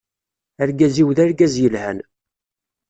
Argaz-iw d argaz yelhan.